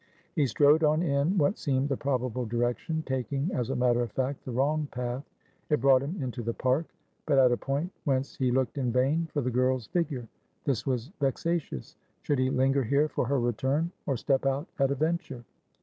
He strode on in what seemed the probable direction, taking, as a matter of fact, the wrong path; it brought him into the park, but at a point whence he looked in vain for the girl's figure. This was vexatious. Should he linger here for her return, or step out at a venture?